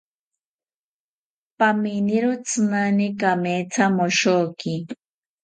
Paminiro tzinani kamethamoshoki